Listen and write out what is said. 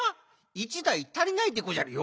１だいたりないでごじゃるよ。